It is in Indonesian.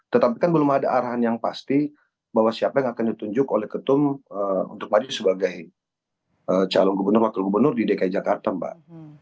tetapi kan belum ada arahan yang pasti bahwa siapa yang akan ditunjuk oleh ketum untuk maju sebagai calon gubernur wakil gubernur di dki jakarta mbak